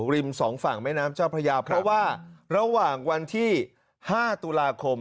ริมสองฝั่งแม่น้ำเจ้าพระยาเพราะว่าระหว่างวันที่๕ตุลาคม